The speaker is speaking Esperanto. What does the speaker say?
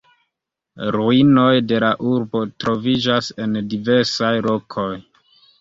Ruinoj de la urbo troviĝas en diversaj lokoj.